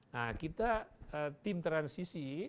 nah kita tim transisi